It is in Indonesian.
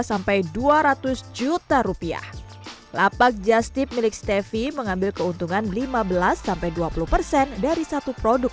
sampai dua ratus juta rupiah lapak justip milik stefi mengambil keuntungan lima belas dua puluh persen dari satu produk